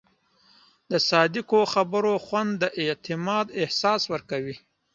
د صادقو خبرو خوند د اعتماد احساس ورکوي.